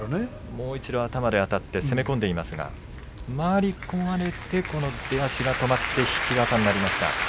もう一度、頭であたって攻め込んでいますが回り込まれてこの出足が止まって引き技になりました。